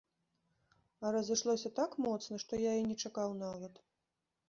А разышлося так моцна, што я і не чакаў нават.